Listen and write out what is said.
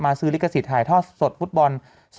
มาซื้อลิกสิทธิ์ไทยทอดสดฟุตบอล๒๐๒๒